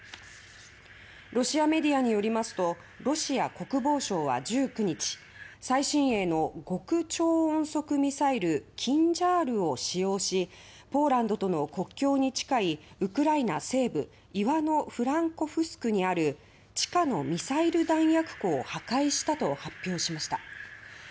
ロシアメディアによりますとロシア国防省は１９日最新鋭の極超音速ミサイル「キンジャール」を使用しポーランドとの国境に近いウクライナ西部イワノ・フランコフスクにある地下のミサイル弾薬庫を破壊したと発表しました。